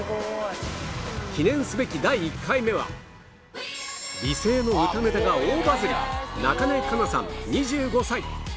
記念すべき第１回目は、美声の歌ネタが大バズり、なかねかなさん２５歳。